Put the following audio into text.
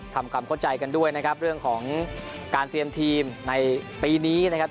ทำความเข้าใจกันด้วยนะครับเรื่องของการเตรียมทีมในปีนี้นะครับ